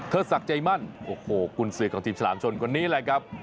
เธอศักรณ์ใจมั่นโอ้โหกุลเสือของทีมฉลามชนกว่านี้แหละครับ